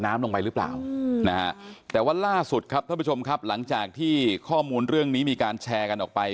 ในวัลสุดครับน้องประชุมครับหลังจากที่ข้อมูลเรื่องมีการแชร์กันออกไป